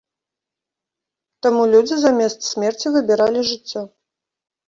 Таму людзі замест смерці выбіралі жыццё.